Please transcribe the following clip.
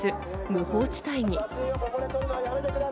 無法地帯に。